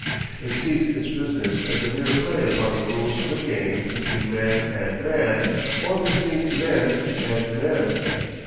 It sees its business as a mere play upon the rules of a game between man and man, or between men and men.